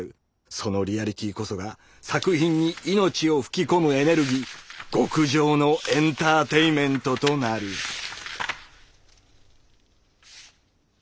その「リアリティ」こそが作品に命を吹き込むエネルギー極上のエンターテイメントとなるッ！